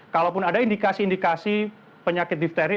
kalaupun ada indikasi indikasi penyakit difteri